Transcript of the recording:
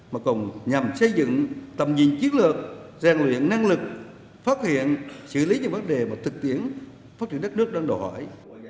mà còn nhằm xây dựng tầm nhìn chiến lược rèn luyện năng lực phát hiện xử lý những vấn đề và thực tiễn phát triển đất nước đang đòi hỏi